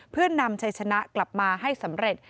เพื่อนำชัยชนะกลับมาให้สำเร็จ